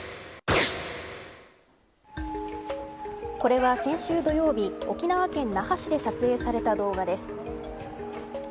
これは先週土曜日沖縄県那覇市で撮影された動画です。